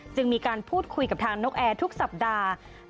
จึงมีการพูดคุยกับทางนกแอร์ทุกสัปดาห์